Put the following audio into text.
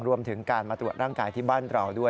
รวมถึงการมาตรวจร่างกายที่บ้านเราด้วย